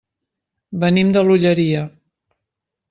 Venim de l'Olleria.